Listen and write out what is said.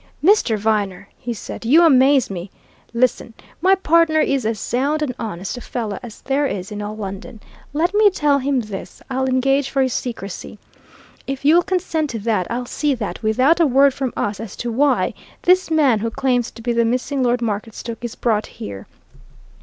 "Mr. Viner!" he said. "You amaze me! Listen: my partner is as sound and honest a fellow as there is in all London. Let me tell him this I'll engage for his secrecy. If you'll consent to that, I'll see that, without a word from us as to why, this man who claims to be the missing Lord Marketstoke is brought here.